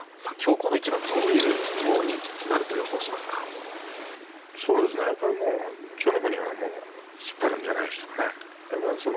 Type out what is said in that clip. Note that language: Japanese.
この一番どういう相撲になるとやっぱり千代の国は突っ張るんじゃないですかね。